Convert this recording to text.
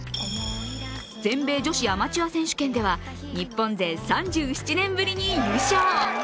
全米女子アマチュア選手権では日本勢３７年ぶりに優勝。